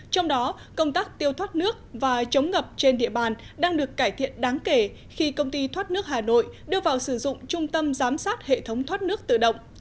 trong đó công tác tiêu thoát nước và chống ngập trên địa bàn đang được cải thiện đáng kể khi công ty thoát nước hà nội đưa vào sử dụng trung tâm giám sát hệ thống thoát nước tự động